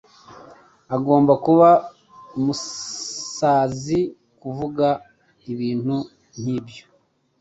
Agomba kuba umusazi kuvuga ibintu nkibyo.